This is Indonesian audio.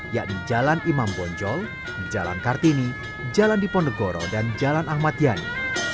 yakni jalan imam bonjol jalan kartini jalan diponegoro dan jalan ahmad yani